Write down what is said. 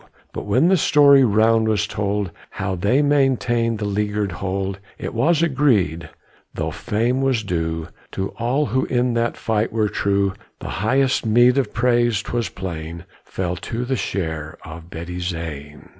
But when the story round was told How they maintained the leaguered hold, It was agreed, though fame was due To all who in that fight were true, The highest meed of praise, 'twas plain, Fell to the share of Betty Zane.